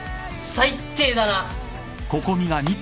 最低だな！